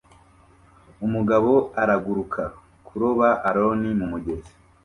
Umugabo araguruka kuroba Alon mumugezi